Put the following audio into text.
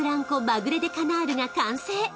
・マグレ・デ・カナールが完成！